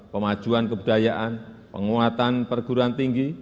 pemajuan kebudayaan penguatan perguruan tinggi